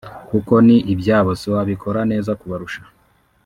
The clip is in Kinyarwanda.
kuko ni ibyabo siwabikora neza kubarusha